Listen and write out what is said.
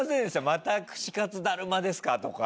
「また串かつだるまですか？」とか。